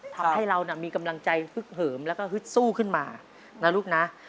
ทำให้เรามีกำลังใจฟึกเหิมแล้วก็ฮึดสู้ขึ้นมานะลูกนะ